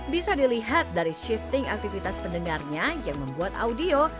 bisa dilihat dari shifting aktivitas pendengarnya yang membuat audio